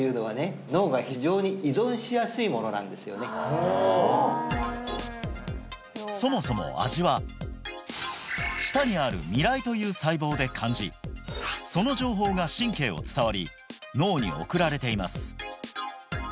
はいこれはそもそも味は舌にある味蕾という細胞で感じその情報が神経を伝わり脳に送られています